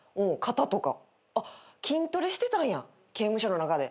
筋トレしてたんや刑務所の中で。